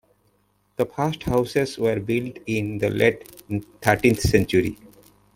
The first houses were built in the late thirteenth century.